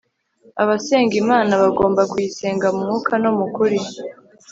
abasenga imana bagomba kuyisenga mu mwuka no mu kuri